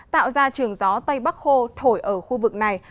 tạo ra trường gió tây bắc khô thổi ở khu vực này